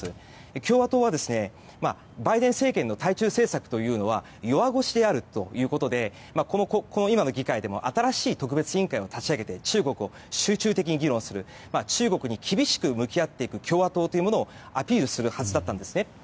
共和党はバイデン政権の対中政策というのは弱腰であるということでこの今の議会でも新しい特別委員会を立ち上げて中国を集中的に議論する中国に厳しく向き合っていく共和党というものをアピールするはずだったんです。